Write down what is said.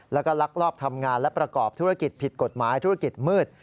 แล้วก็ลักลอบทำงานและประกอบธุรกิจผิดกฎหมายธุรกิจมืด